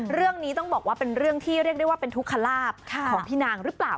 เรื่องนี้ต้องบอกว่าเป็นเรื่องที่เรียกได้ว่าเป็นทุกขลาบของพี่นางหรือเปล่า